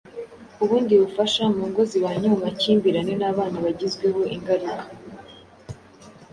ubundi bufasha mu ngo zibanye mu makimbirane n’abana bagizweho ingaruka